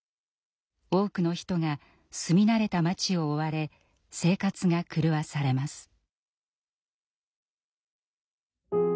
多くの人が住み慣れた町を追われ生活が狂わされます。